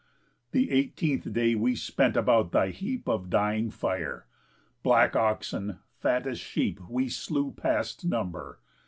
The eighteenth day we spent about thy heap Of dying fire. Black oxen, fattest sheep We slew past number.